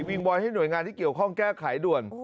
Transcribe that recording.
งบอยให้หน่วยงานที่เกี่ยวข้องแก้ไขด่วน